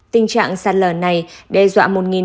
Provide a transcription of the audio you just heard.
tình trạng sát lờ này đe dọa